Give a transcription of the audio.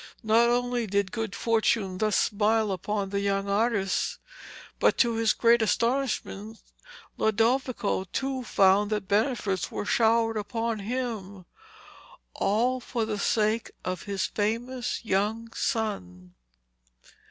Not only did good fortune thus smile upon the young artist, but to his great astonishment Lodovico too found that benefits were showered upon him, all for the sake of his famous young son.